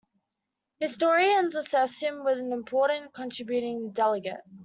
Historians assess him as an important contributing delegate.